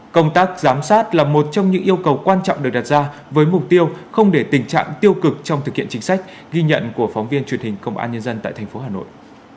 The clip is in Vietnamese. công tác giám sát là một trong những yêu cầu quan trọng được đặt ra với mục tiêu không để tình trạng tiêu cực trong thực hiện chính sách ghi nhận của phóng viên truyền hình công an nhân dân tại thành phố hà nội